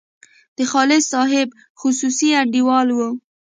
د خالص صاحب خصوصي انډیوال وو.